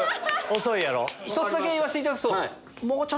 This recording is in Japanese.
１つだけ言わせていただくと。